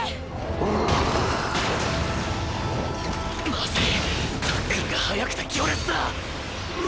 まずいタックルが速くて強烈だ！！